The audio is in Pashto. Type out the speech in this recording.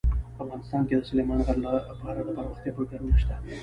افغانستان کې د سلیمان غر لپاره دپرمختیا پروګرامونه شته.